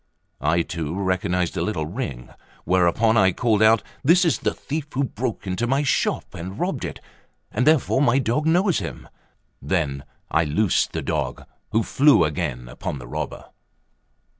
I too recognised a little ring; whereupon I called out. "This is the thief who broke into my shop and robbed it; and therefore my dog knows him;" then I loosed the dog, who flew again upon the robber.